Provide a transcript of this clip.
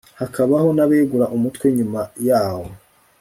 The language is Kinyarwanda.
hakabaho n'abegura umutwe nyuma yawo